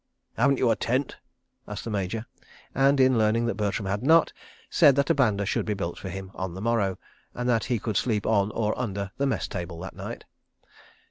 "Haven't you a tent?" asked the Major, and, in learning that Bertram had not, said that a banda should be built for him on the morrow, and that he could sleep on or under the Mess table that night.